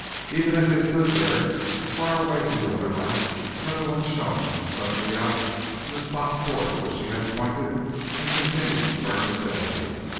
Even as they stood there, far away from the other lights, another one shone suddenly out in the spot towards which she had pointed, and continued to burn steadily.